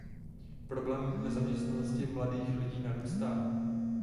Problém nezaměstnanosti mladých lidí narůstá.